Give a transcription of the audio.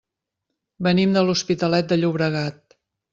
Venim de l'Hospitalet de Llobregat.